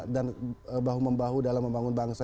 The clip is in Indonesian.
dan bahu membahu dalam membangun bangsa